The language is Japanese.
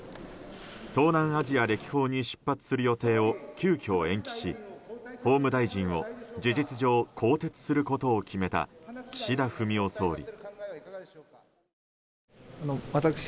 東南アジア歴訪に出発する予定を急きょ延期し法務大臣を事実上、更迭することを決めた岸田文雄総理。